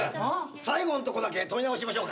最後のとこだけ撮り直しましょうか？